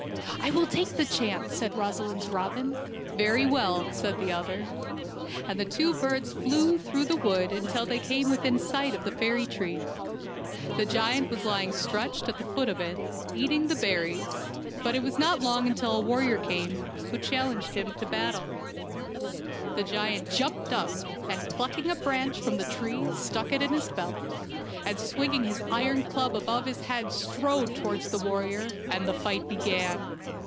" I will take the chance," said Rosaleen's robin. " Very well," said the other. And the two birds flew through the wood until they came within sight of the fairy tree. The giant was lying stretched at the foot of it, eating the ber ries; but it was not long until a warrior came, who challenged him to battle. The giant THE FAIRY TREE OP DOOROS 117 jumped up, and plucking a branch from the tree stuck it in his belt, and swinging his iron club above his head strode towards the warrior, and the fight began.